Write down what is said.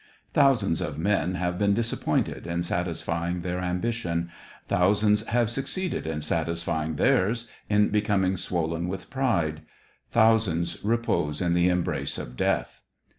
Thousands of men have been disappointed in satisfying their ambition ; thousands have suc ceeded in satisfying theirs, in becoming swollen with pride ; thousands repose in the embrace of death.